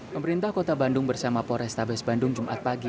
pemerintah kota bandung bersama polrestabes bandung jumat pagi